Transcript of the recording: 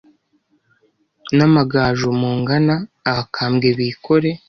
N'amagaju mungana Abakambwe bikore